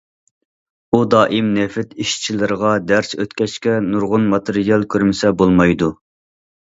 ئۇ دائىم نېفىت ئىشچىلىرىغا دەرس ئۆتكەچكە، نۇرغۇن ماتېرىيال كۆرمىسە بولمايدۇ.